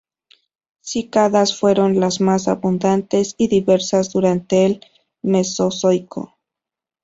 Cícadas: fueron las más abundantes y diversas durante el Mesozoico.